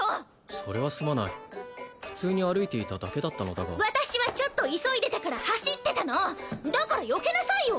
それはすまない普通に歩いていただけだったのだが私はちょっと急いでたから走ってたのだからよけなさいよ！